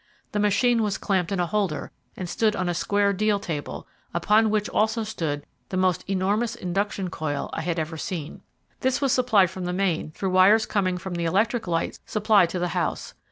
The machine was clamped in a holder, and stood on a square deal table, upon which also stood the most enormous induction coil I had ever seen. This was supplied from the main through wires coming from the electric light supplied to the house.